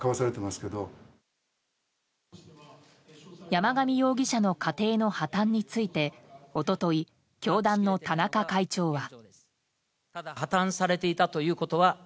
山上容疑者の家庭の破綻について一昨日、教団の田中会長は。